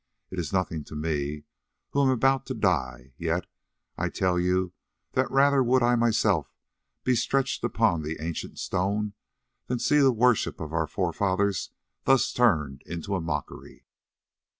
It is nothing to me who am about to die, yet I tell you that rather would I myself be stretched upon the ancient stone than see the worship of our forefathers thus turned into a mockery.